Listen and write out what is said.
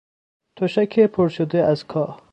تشک پرشده از کاه